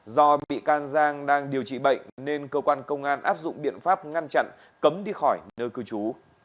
do bị can giang đang điều trị bệnh nên cơ quan công an áp dụng biện pháp ngăn chặn cấm đi khỏi nơi cư trú